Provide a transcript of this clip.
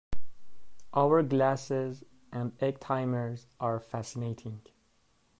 Hourglasses and egg timers are fascinating.